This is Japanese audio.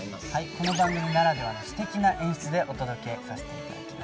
この番組ならではのすてきな演出でお届けさせていただきます。